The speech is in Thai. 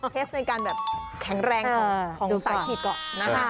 เทสในการแบบแข็งแรงของสายฉีดก่อนนะคะ